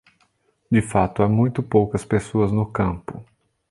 De fato, há muito poucas pessoas no campo.